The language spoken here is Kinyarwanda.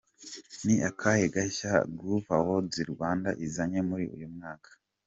Ni akahe gashya Groove Awards Rwanda izanye muri uyu mwaka? .